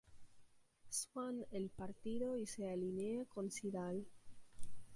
Swann el partido y se alinea con Sydal.